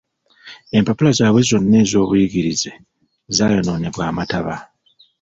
Empapula zaabwe zonna ez'obuyigirize zaayonoonebwa amataba.